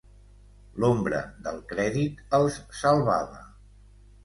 L'ombra del crèdit els salvava